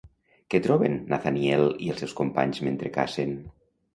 Què troben Nathaniel i els seus companys mentre cacen?